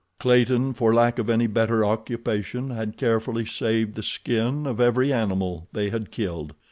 Clayton, for lack of any better occupation, had carefully saved the skin of every animal they had killed.